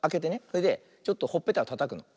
それでちょっとほっぺたをたたくの。